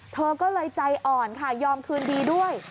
เธอก็เลยใจอ่อนค่ะยอมคืนดีด้วย